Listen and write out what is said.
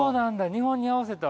日本に合わせた。